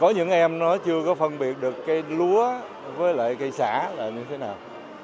có những em nó chưa có phân biệt được cây lúa với lại cây xả là như thế nào